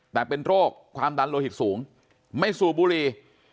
แต่เป็นโรคความดันโลหิตสูงไม่สูบบุรี